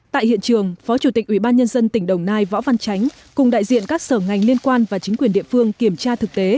tại hiện trường phó chủ tịch ubnd tỉnh đồng nai võ văn chánh cùng đại diện các sở ngành liên quan và chính quyền địa phương kiểm tra thực tế